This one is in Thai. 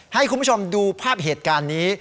ให้คุณผู้ชมดูภาพเหตุการณ์นี้